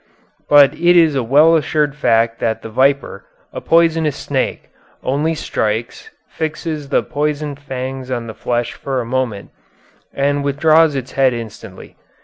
But it is a well assured fact that the viper, a poisonous snake, only strikes, fixes the poison fangs on the flesh for a moment, and withdraws its head instantly.